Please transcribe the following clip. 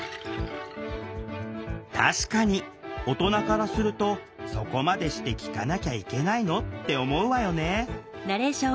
確かに大人からすると「そこまでして聴かなきゃいけないの？」って思うわよね。